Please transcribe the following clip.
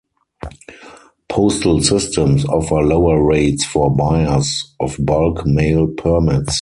Postal systems offer lower rates for buyers of bulk mail permits.